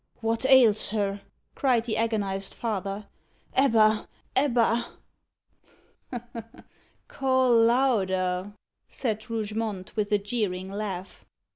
"What ails her?" cried the agonised father. "Ebba! Ebba!" "Call louder," said Rougemont, with a jeering laugh.